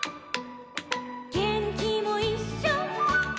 「げんきもいっしょ」